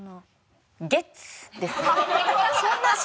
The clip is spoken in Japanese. ゲッツ！！ですね。